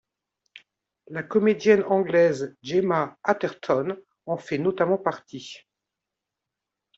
La comédienne anglaise Gemma Arterton en fait notamment partie.